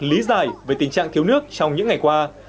lý giải về tình trạng thiếu nước trong những ngày qua